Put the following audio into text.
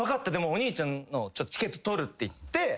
お兄ちゃんのチケット取る」って言って。